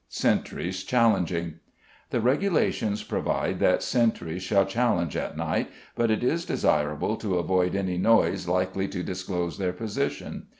Sentries Challenging. The Regulations provide that sentries shall challenge at night, but it is desirable to avoid any noise likely to disclose their position.